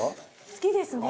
好きですね。